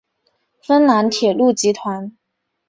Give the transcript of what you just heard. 芬兰铁路集团。